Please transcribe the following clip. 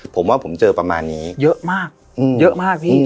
ผมว่าผมเจอประมาณนี้เยอะมากเยอะมากพี่